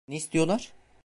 Ne istiyorlar?